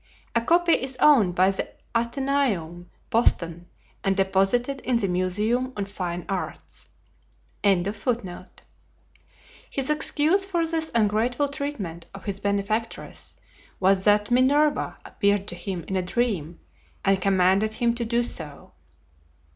A copy is owned by the Athenaeum, Boston, and deposited, in the Museum of Fine Arts.] His excuse for this ungrateful treatment of his benefactress was that Minerva appeared to him in a dream and commanded him to do so.